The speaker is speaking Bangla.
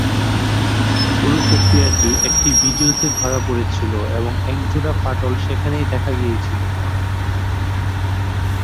পুরো প্রক্রিয়াটি একটি ভিডিওতে ধরা পড়েছিল এবং একজোড়া ফাটল সেখানেই দেখা গিয়েছিল।